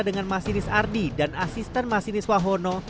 dengan masinis ardi dan asisten masinis wahono